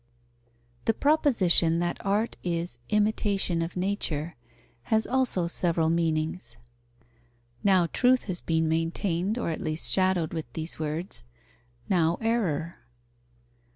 _ The proposition that art is imitation of nature has also several meanings. Now truth has been maintained or at least shadowed with these words, now error.